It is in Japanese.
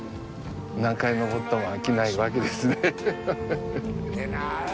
何回登っても飽きないわけですね。